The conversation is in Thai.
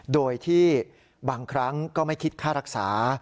โดยที่บางครั้งก็ไม่คิดค่ารักษา